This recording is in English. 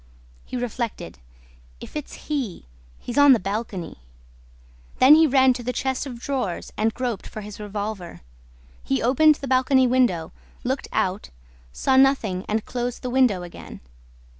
He reflected: "If it's he, he's on the balcony!" Then he ran to the chest of drawers and groped for his revolver. He opened the balcony window, looked out, saw nothing and closed the window again.